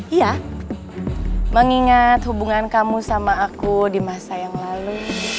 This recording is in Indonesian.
iya mengingat hubungan kamu sama aku di masa yang lalu